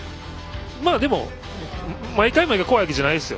でも、毎回怖いわけじゃないですよ。